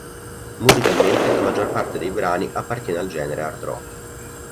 Musicalmente, la maggior parte dei brani appartiene al genere hard rock.